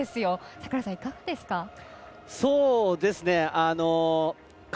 櫻井さん、いかがですか？